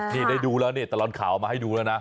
นี่ได้ดูแล้วนี่ตลอดข่าวมาให้ดูแล้วนะ